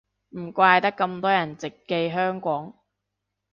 唔怪得咁多人直寄香港